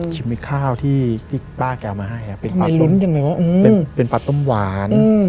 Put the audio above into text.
คิมคลิกข้าวที่ป้าแก้วมาให้เป็นผัดต้มหวาน